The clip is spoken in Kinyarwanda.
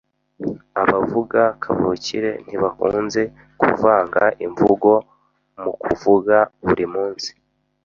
Abavuga kavukire ntibakunze kuvanga imvugo mukuvuga burimunsi.